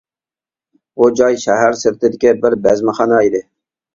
بۇ جاي شەھەر سىرتىدىكى بىر بەزمىخانا ئىدى.